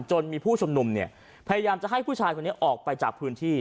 จนมีผู้ชุมนุมเนี่ยพยายามจะให้ผู้ชายคนนี้ออกไปจากพื้นที่